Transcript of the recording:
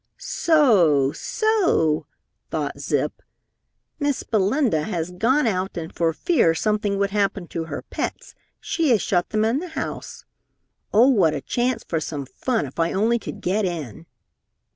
"So so!" thought Zip. "Miss Belinda has gone out and for fear something would happen to her pets, she has shut them in the house. Oh, what a chance for some fun if I only could get in!"